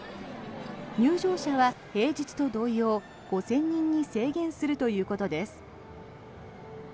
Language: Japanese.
入場者は平日と同様５０００人に制限するということです。